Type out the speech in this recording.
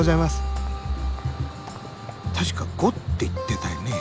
確か「ゴ」って言ってたよね。